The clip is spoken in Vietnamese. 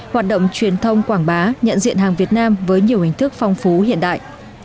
hoạt động truyền thông quảng bá nhận diện hàng việt nam với nhiều hình thức phong phú hiện đại